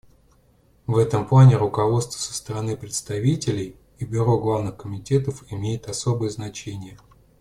В этом плане руководство со стороны председателей и бюро главных комитетов имеет особое значение.